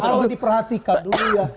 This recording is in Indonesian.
kalau diperhatikan dulu ya